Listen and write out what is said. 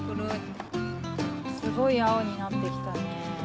すごいあおになってきたね。